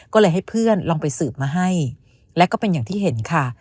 ก็เลยให้เพื่อนลองไปสืบมาให้และก็เป็นอย่างที่เห็นค่ะ